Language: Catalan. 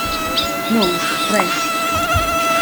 No, res.